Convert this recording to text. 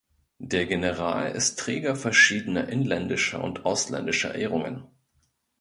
Der General ist Träger verschiedener inländischer und ausländischer Ehrungen.